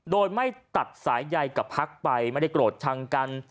โดยไม่ตัดสายใยกับพักไปไม่ได้โกรธชังกัน